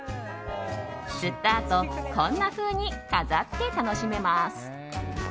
釣ったあとこんなふうに飾って楽しめます。